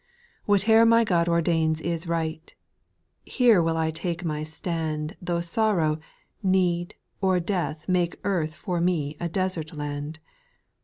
6. Whatever my God ordains is right 1 Here will I take my stand, Though sorrow, need, or death make earth For me a desert land.